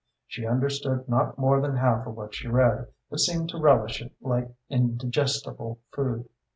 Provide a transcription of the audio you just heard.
She understood not more than half of what she read, but seemed to relish it like indigestible food.